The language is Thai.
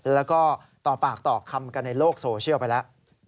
แล้วก็ต่อปากต่อคำกันในโลกโซเชียลไปแล้ว